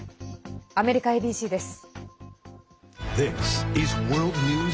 アメリカＡＢＣです。